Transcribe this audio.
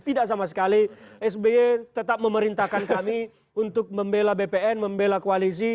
tidak sama sekali sby tetap memerintahkan kami untuk membela bpn membela koalisi